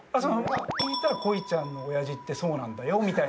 聞いたらこいちゃんの親父ってそうなんだよみたいな。